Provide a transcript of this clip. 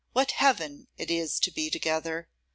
what heaven it is to be together!